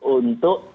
untuk di buat